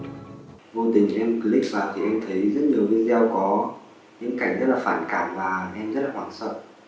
vô tình em click phạt thì em thấy rất nhiều video có những cảnh rất là phản cảm và em rất là hoảng sợ